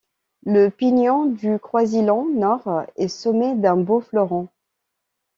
Le pignon du croisillon nord est sommé d'un beau fleuron.